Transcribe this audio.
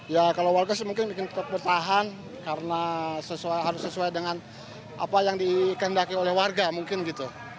ya kalau warga sih mungkin tetap bertahan karena harus sesuai dengan apa yang dikendaki oleh warga mungkin gitu